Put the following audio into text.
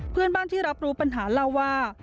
เพื่อนบ้านที่รับรู้ปัญหาเล่าว่า